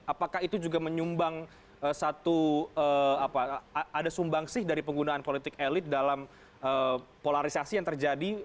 apakah itu juga menyumbang satu ada sumbang sih dari penggunaan politik elit dalam polarisasi yang terjadi